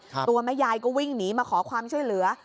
ตัวแม่ยายก็วิ่งหนีมาขอความช่วยเหลือ